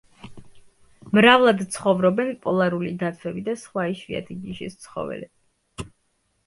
მრავლად ცხოვრობენ პოლარული დათვები და სხვა იშვიათი ჯიშის ცხოველები.